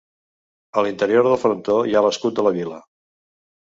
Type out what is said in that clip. A l'interior del frontó hi ha l'escut de la vila.